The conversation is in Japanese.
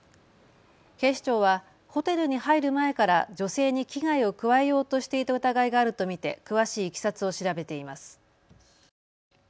警視庁はホテルに入る前から女性に危害を加えようとしていた疑いがあると見て詳しいいきさつを調べています。